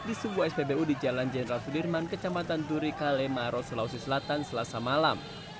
di sebuah spbu di jalan jenderal sudirman kecamatan turi kale maros sulawesi selatan selasa malam